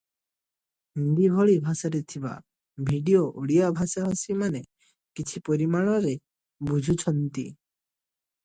ହିନ୍ଦୀ ଭଳି ଭାଷାରେ ଥିବା ଭିଡିଓ ଓଡ଼ିଆ ଭାଷାଭାଷୀମାନେ କିଛି ପରିମାଣରେ ବୁଝୁଛନ୍ତି ।